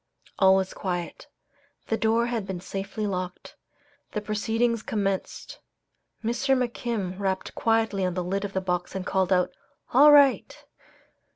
All was quiet. The door had been safely locked. The proceedings commenced. Mr. McKim rapped quietly on the lid of the box and called out, "All right!"